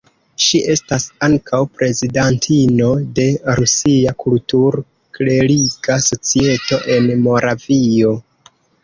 Ŝi estas ankaŭ prezidantino de Rusia Kultur-kleriga Societo en Moravio.